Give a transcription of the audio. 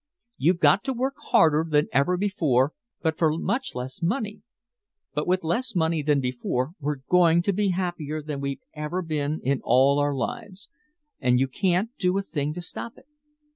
You've got to work harder than ever before but for much less money. But with less money than before we're going to be happier than we've ever been in all our lives. And you can't do a thing to stop it.